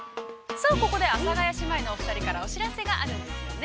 ◆さあ、ここで阿佐ヶ谷姉妹のお二人からお知らせがあるんですよね。